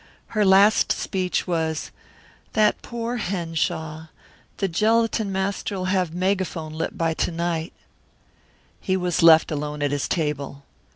Her last speech was: "That poor Henshaw the gelatin master'll have megaphone lip by to night." He was left alone at his table.